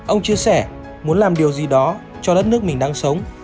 ông chia sẻ muốn làm điều gì đó cho đất nước mình đang sống